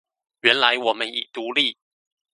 原來我們已獨立